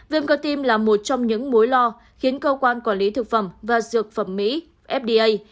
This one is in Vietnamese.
viêm cơ tim là một trong những mối lo khiến cơ quan quản lý thực phẩm và dược phẩm mỹ fda